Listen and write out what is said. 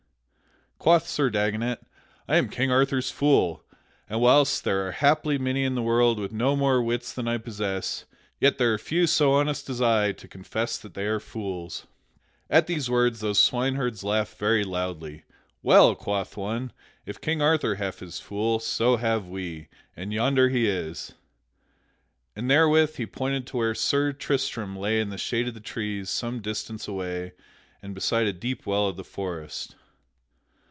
Quoth Sir Dagonet: "I am King Arthur's Fool. And whilst there are haply many in the world with no more wits than I possess, yet there are few so honest as I to confess that they are fools." At these words those swineherds laughed very loudly. "Well," quoth one, "if King Arthur hath his fool, so have we, and yonder he is," and therewith he pointed to where Sir Tristram lay in the shade of the trees some distance away and beside a deep well of the forest.